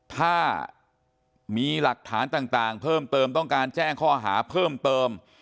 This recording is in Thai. ถ้ามีหลักฐานต่างเพิ่มเติมต้องการแจ้งข้อหาเพิ่มเติม